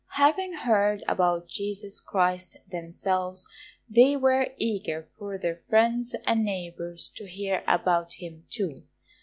Having heard about Jesus Christ themselves, they were eager for their friends and neighbours to hear about Him too.